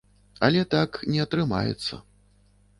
Але так не атрымаецца.